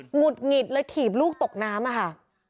หงุดหงิดแล้วถีบลูกตกน้ำค่ะ